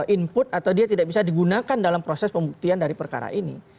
input atau dia tidak bisa digunakan dalam proses pembuktian dari perkara ini